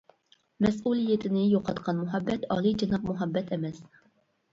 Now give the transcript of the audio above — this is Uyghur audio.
مەسئۇلىيىتىنى يوقاتقان مۇھەببەت ئالىيجاناب مۇھەببەت ئەمەس.